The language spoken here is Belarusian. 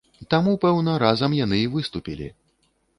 Таму, пэўна, разам яны і выступілі.